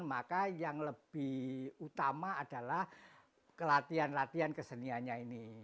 maka yang lebih utama adalah kelatihan latian keseniannya ini